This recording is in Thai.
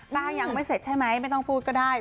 ยังไม่เสร็จใช่ไหมไม่ต้องพูดก็ได้